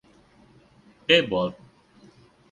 De Bolt.